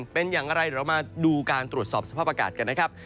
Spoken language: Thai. เป็นอย่างไรเดี๋ยวมาดูการตรวจสอบสภาพอากาศกันนะครับ